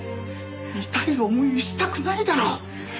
痛い思いしたくないだろ？